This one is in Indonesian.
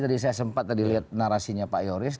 tadi saya sempat tadi lihat narasinya pak yoris